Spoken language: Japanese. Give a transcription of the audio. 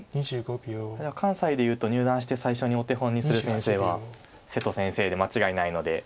じゃあ関西でいうと入段して最初にお手本にする先生は瀬戸先生で間違いないので。